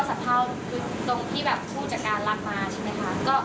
แล้วก็คือหนูก็สะเภาคือตรงที่แบบผู้จัดการรับมาใช่ไหมค่ะ